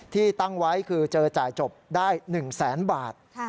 ที่ตั้งไว้คือเจอจ่ายจบได้๑แสนบาท